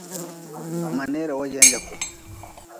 Ma neera wo janjaku.